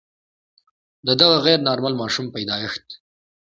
د دغه غیر نارمل ماشوم پیدایښت.